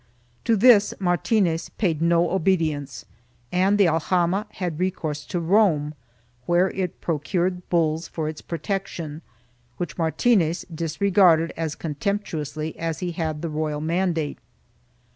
To this Martinez paid no obedience and the aljama had recourse to Rome, where it pro cured bulls for its protection, which Martinez disregarded as con temptuously as he had the royal mandate.